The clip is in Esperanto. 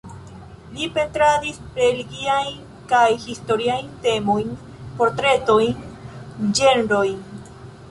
Li pentradis religiajn kaj historiajn temojn, portretojn, ĝenrojn.